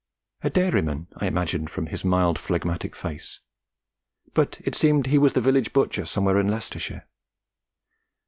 A dairyman, I imagined from his mild phlegmatic face; but it seemed he was the village butcher somewhere in Leicestershire.